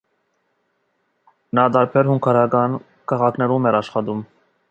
Նա տարբեր հունգարական քաղաքներում էր աշխատում։